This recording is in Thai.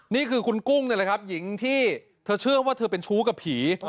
นี่คือคุณกุ้งนี่แหละครับหญิงที่เธอเชื่อว่าเธอเป็นชู้กับผี